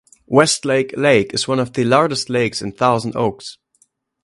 Westlake Lake is one of the largest lakes in Thousand Oaks.